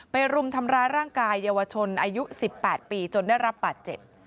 รุมทำร้ายร่างกายเยาวชนอายุ๑๘ปีจนได้รับบาดเจ็บ